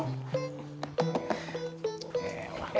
gua apaan tuh bi